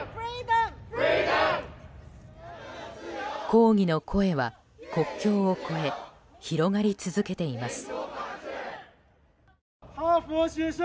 抗議の声は国境を越え広がり続けています。